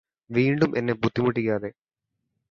വീണ്ടും എന്നെ ബുദ്ധിമുട്ടിക്കാതെ